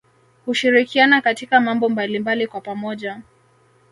Hushirikiana katika mambo mbalimbali kwa pamoja